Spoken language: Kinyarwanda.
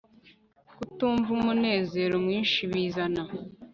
kutumva umunezero mwinshi bizana